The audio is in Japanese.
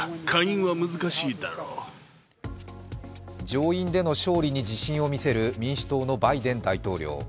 上院での勝利に自信を見せる民主党のバイデン大統領。